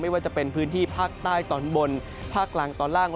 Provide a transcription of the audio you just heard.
ว่าจะเป็นพื้นที่ภาคใต้ตอนบนภาคกลางตอนล่าง